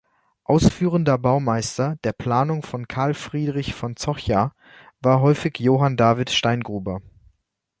Ausführender Baumeister der Planungen von Carl Friedrich von Zocha war häufig Johann David Steingruber.